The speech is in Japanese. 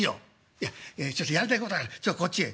「いやちょっとやりたいことあるちょっとこっちへ」。